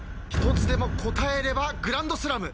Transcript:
１つでも答えればグランドスラム。